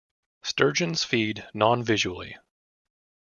Sturgeons feed non-visually.